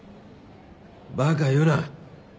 バカ言うな。